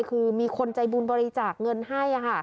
คือมีคนใจบุญบริจาคเงินให้